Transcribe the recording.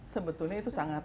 sebetulnya itu sangat